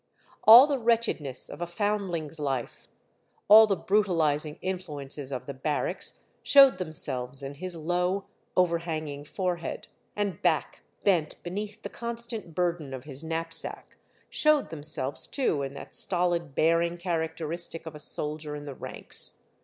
All t^he wretchedness of a foundling's life, all the brutahzing influences of the barracks showed themselves in his low, over hanging forehead, and back bent beneath the con stant burden of his knapsack, — showed themselves too in that stolid bearing characteristic of a soldier in the ranks.